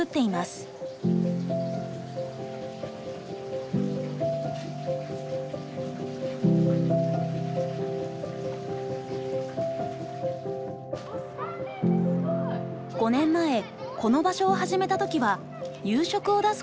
５年前この場所を始めた時は夕食を出すことが目的でした。